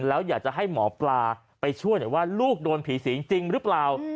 แล้วอยากจะให้หมอปลาไปช่วยหน่อยว่าลูกโดนผีสิงจริงหรือเปล่า